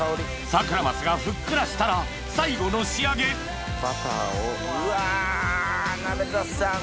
サクラマスがふっくらしたら最後の仕上げうわ鍋田さん